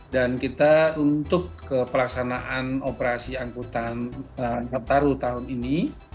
dan kita untuk kepelaksanaan operasi angkutan tertaruh tahun ini